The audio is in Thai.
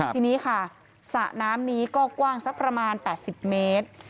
ทีนี้ค่ะสระน้ำนี้ก็กว้างสักประมาณ๘๐เมตร